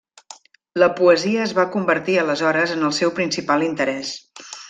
La poesia es va convertir aleshores en el seu principal interès.